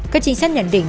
các trinh sát nhận định